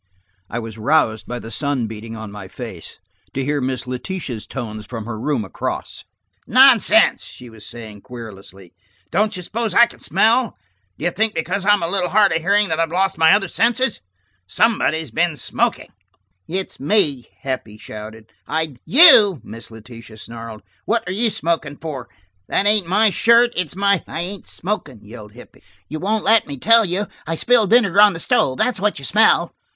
I was roused by the sun beating on my face, to hear Miss Letitia's tones from her room across. "Nonsense," she was saying querulously. "Don't you suppose I can smell? Do you think because I'm a little hard of hearing that I've lost my other senses? Somebody's been smoking." "It's me," Heppie shouted. "I–" "You?" Miss Letitia snarled. "What are you smoking for? That ain't my shirt; it's my–" "I ain't smokin'," yelled Heppie. "You won't let me tell you. I spilled vinegar on the stove; that's what you smell."